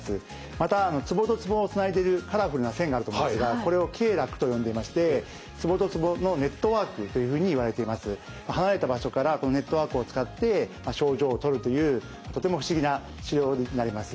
またツボとツボをつないでいるカラフルな線があると思うんですがこれを経絡と呼んでいまして離れた場所からこのネットワークを使って症状をとるというとても不思議な治療になります。